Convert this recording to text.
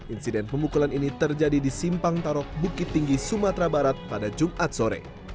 insiden pemukulan ini terjadi di simpang tarok bukit tinggi sumatera barat pada jumat sore